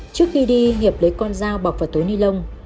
trước khi đi hiệp lấy con dao bọc vào túi ni lông